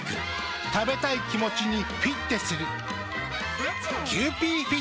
食べたい気持ちにフィッテする。